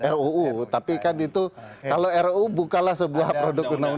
ruu tapi kan itu kalau ruu bukalah sebuah produk undang undang ya betul kan